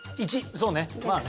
そうねまあね。